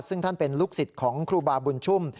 ซึ่งท่านเป็นลูกศิษย์ของครูบาบุญชุ่ม